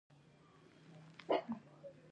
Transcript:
اووم: په وارداتو محدودیتونه.